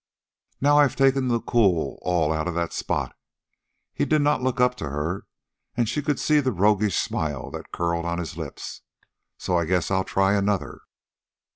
"Now I've taken the cool all out of that spot." He did not look up to her, and she could see the roguish smile that curled on his lips. "So I guess I'll try another."